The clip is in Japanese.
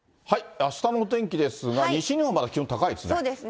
あしたのお天気ですが、西日本まだ気温高いですね。